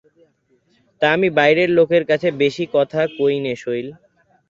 তা, আমি বাইরের লোকের কাছে বেশি কথা কই নে– শৈল।